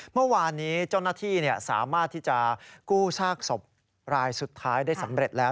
เมื่อวานนี้เจ้าหน้าที่สามารถที่จะกู้ซากศพรายสุดท้ายได้สำเร็จแล้ว